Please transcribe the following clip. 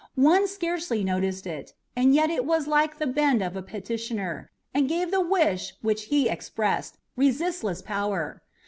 One scarcely noticed it, and yet it was like the bend of a petitioner, and gave the wish which he expressed resistless power.